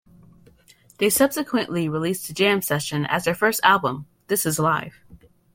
They subsequently released the jam session as their first album, This Is Live.